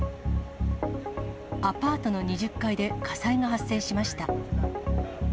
アパートの２０階で火災が発生しました。